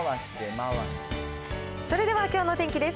それではきょうの天気です。